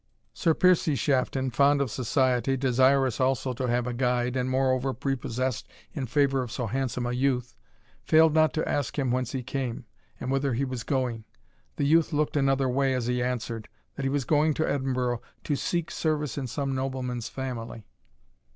Sir Piercie Shafton, fond of society, desirous also to have a guide, and, moreover, prepossessed in favour of so handsome a youth, failed not to ask him whence he came, and whither he was going. The youth looked another way, as he answered, that he was going to Edinburgh, "to seek service in some nobleman's family."